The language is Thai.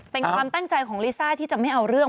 เป็นความตั้งใจของลิซ่าที่จะไม่เอาเรื่อง